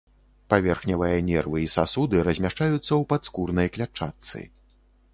Паверхневыя нервы і сасуды размяшчаюцца ў падскурнай клятчатцы.